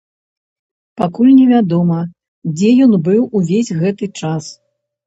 Пакуль невядома, дзе ён быў увесь гэты час.